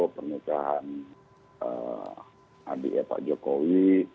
pernikahan adi ya pak jokowi